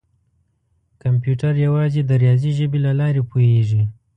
کمپیوټر یوازې د ریاضي ژبې له لارې پوهېږي.